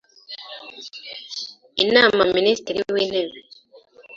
inama Minisitiri w Intebe